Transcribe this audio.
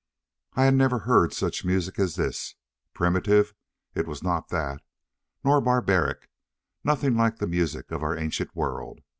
I had never heard such music as this. Primitive! It was not that. Nor barbaric! Nothing like the music of our ancient world.